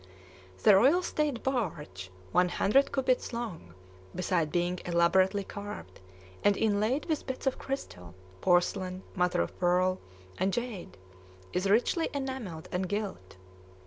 The royal state barge, one hundred cubits long, beside being elaborately carved, and inlaid with bits of crystal, porcelain, mother of pearl, and jade, is richly enamelled and gilt.